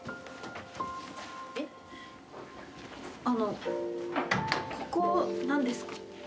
あのここ何ですか？